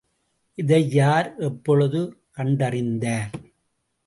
இதை யார் எப்பொழுது கண்டறிந்தார்?